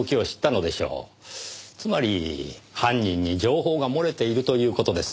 つまり犯人に情報が漏れているという事です。